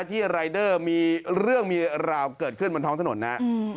รายเดอร์มีเรื่องมีราวเกิดขึ้นบนท้องถนนนะครับ